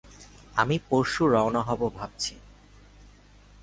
আমি পরশু রওনা হব ভাবছি।